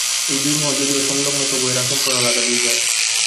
এই দুই মহল যদিও সংলগ্ন তবুও এরা সম্পূর্ণ আলাদা দুই জাত।